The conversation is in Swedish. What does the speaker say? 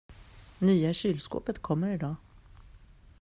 Nya kylskåpet kommer idag.